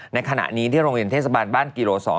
ในขณะนี้ที่โรงเรียนเทศบาลบ้านกิโล๒